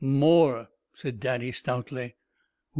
"More," said Daddy, stoutly.